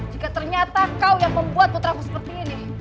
jika ternyata kau yang membuat putraku seperti ini